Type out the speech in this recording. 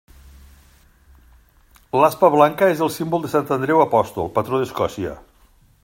L'aspa blanca és el símbol de Sant Andreu apòstol, patró d'Escòcia.